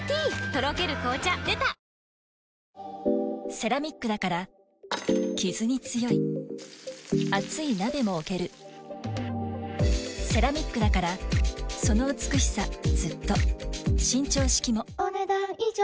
セラミックだからキズに強い熱い鍋も置けるセラミックだからその美しさずっと伸長式もお、ねだん以上。